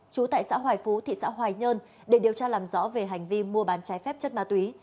chú tại xã hoài phú thị xã hoài nhơn để điều tra làm rõ về hành vi mua bán trái phép chất ma túy